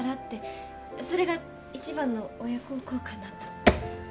それが一番の親孝行かなと。